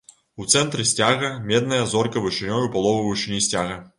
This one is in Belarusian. У цэнтры сцяга, медная зорка вышынёй у палову вышыні сцяга.